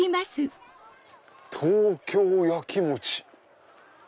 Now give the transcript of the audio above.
「東京やきもち」。